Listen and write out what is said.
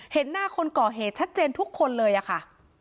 เห็นหน้าคนก่อเหตุชัดเจนทุกคนเลยอะค่ะ